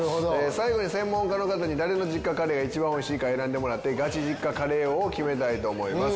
最後に専門家の方に誰の実家カレーが一番美味しいか選んでもらってガチ実家カレー王を決めたいと思います。